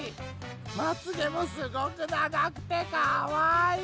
まつげもすごくながくてかわいい！